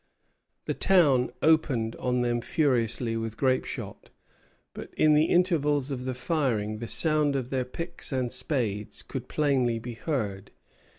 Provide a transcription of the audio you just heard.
The town opened on them furiously with grape shot; but in the intervals of the firing the sound of their picks and spades could plainly be heard.